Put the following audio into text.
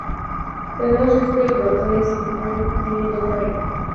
Tenemos este brotherly-sisterly vibe yendo en.